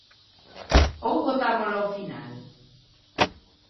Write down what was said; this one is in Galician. ¿Ou votámola ao final?